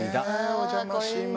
お邪魔します。